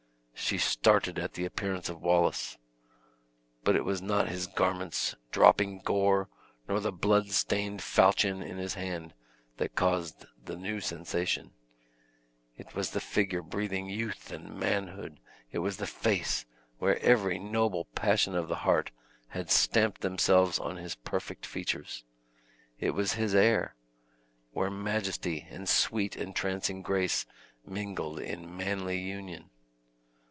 She started at the appearance of Wallace; but it was not his garments dropping gore, nor the blood stained falchion in his hand, that caused the new sensation; it was the figure breathing youth and manhood; it was the face, where every noble passion of the heart had stamped themselves on his perfect features; it was his air, where majesty and sweet entrancing grace mingled in manly union.